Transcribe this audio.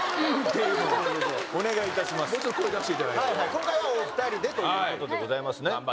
今回はお二人でという事でございますね。